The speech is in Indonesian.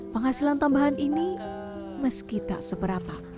penghasilan tambahan ini meski tak seberapa